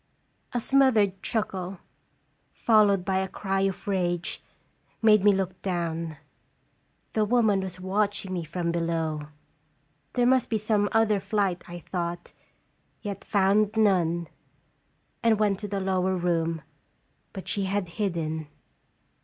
A smothered chuckle, followed by a cry of rage, made me look down. The woman was watching me from below. There must be some other flight, I thought, yet found none, and went to the lower room, but she had hidden.